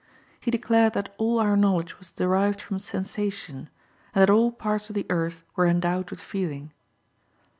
He declared that all our knowledge was derived from sensation, and that all parts of the earth were endowed with feeling.